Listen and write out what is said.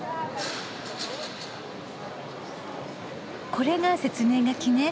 これが説明書きね。